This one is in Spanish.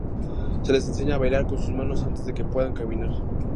Se les enseña a bailar con sus manos antes de que puedan caminar.